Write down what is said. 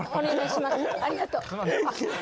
ありがとう。